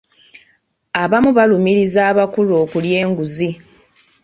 Abamu balumiriza abakulu okulya enguzi.